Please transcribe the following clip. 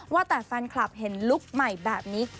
ว่าแต่แฟนคลับเห็นลุคใหม่แบบนี้